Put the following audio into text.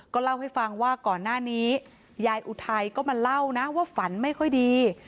เล่าให้ฟังว่าก่อนหน้านี้ยายอุทัยก็มาเล่านะว่าฝันไม่ค่อยดี